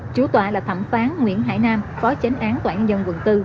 chủ tòa là thẩm phán nguyễn hải nam phó tránh án tòa án nhân dân quận bốn